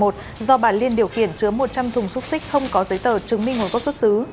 do bà liên điều khiển chứa một trăm linh thùng xúc xích không có giấy tờ chứng minh nguồn gốc xuất xứ